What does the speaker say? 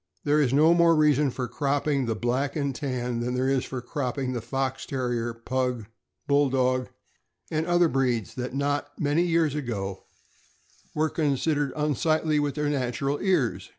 There is no more reason for cropping the Black and Tan than there is for cropping the Fox Terrier, Pug, Bulldog, and other breeds that not many years ago were considered unsightly with their natural ears.